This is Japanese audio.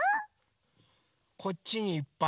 こっちにいっぱい。